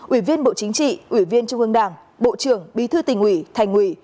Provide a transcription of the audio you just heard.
ủy viên bộ chính trị ủy viên trung ương đảng bộ trưởng bí thư tỉnh ủy thành ủy